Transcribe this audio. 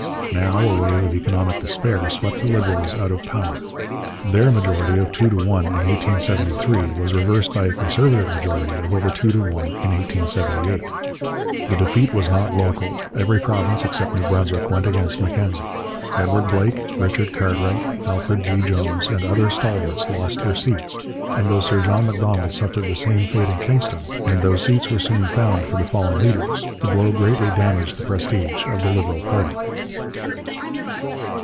Now a wave of economic despair swept the Liberals out of power. Their majority of two to one in 1873 was reversed by a Conservative majority of over two to one in 1878. The defeat was not local: every province except New Brunswick went against Mackenzie. Edward Blake, Richard Cartwright, Alfred G. Jones, and other stalwarts lost their seats, and though Sir John Macdonald suffered the same fate in Kingston, and though seats were soon found for the fallen leaders, the blow greatly damaged the prestige of the Liberal party.